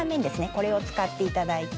これを使っていただいて。